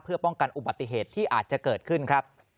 เพื่อป้องกันอุบัติเหตุที่อาจจะเกิดขึ้นครับ